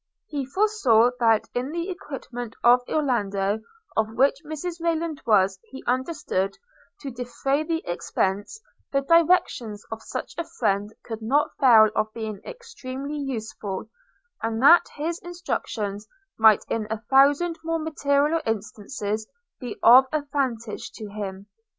He foresaw, that in the equipment of Orlando, of which Mrs Rayland was, he understood, to defray the expence, the directions of such a friend could not fail of being extremely useful, and that his instructions might in a thousand more material instances be of advantage to him.